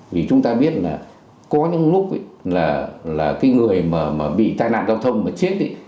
vì chúng ta biết là có những lúc là người bị tai nạn giao thông mà chết